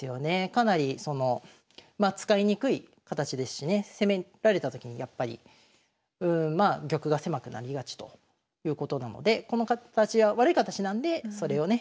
かなりそのまあ使いにくい形ですしね攻められたときにやっぱり玉が狭くなりがちということなのでこの形は悪い形なんでそれをね